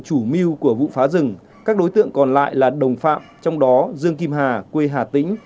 chủ mưu của vụ phá rừng các đối tượng còn lại là đồng phạm trong đó dương kim hà quê hà tĩnh